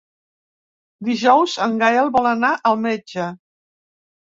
Dijous en Gaël vol anar al metge.